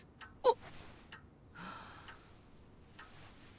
あっ。